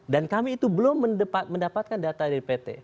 dan kami itu belum mendapatkan data dpt